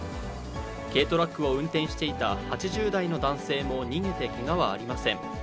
軽トラックを運転していた８０代の男性も逃げてけがはありません。